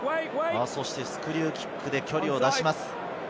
スクリューキックで距離を出します。